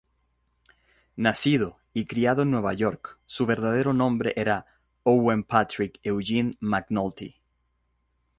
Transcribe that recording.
Nacido y criado en Nueva York, su verdadero nombre era Owen Patrick Eugene McNulty.